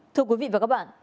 thưa quý vị và các bạn